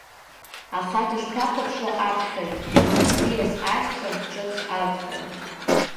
Аха дышԥахәаԥшуа аԥхьаҩ аӡиас ашьҭра ҿыц алхра?